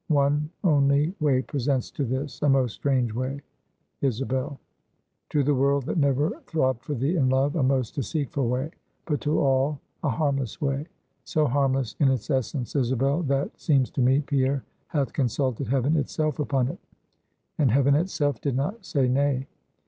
One only way presents to this; a most strange way, Isabel; to the world, that never throbbed for thee in love, a most deceitful way; but to all a harmless way; so harmless in its essence, Isabel, that, seems to me, Pierre hath consulted heaven itself upon it, and heaven itself did not say Nay.